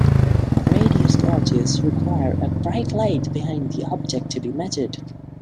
Radius gauges require a bright light behind the object to be measured.